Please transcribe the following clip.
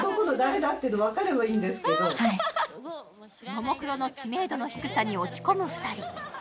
ももクロの知名度の低さに落ち込む２人。